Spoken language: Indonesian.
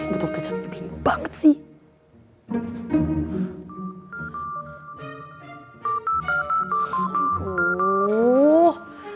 betul kecap ini bingung banget sih